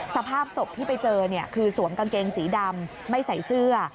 สภาพศพที่ไปเจอคือสวมกางเกงสีดำไม่ใส่เสื้อ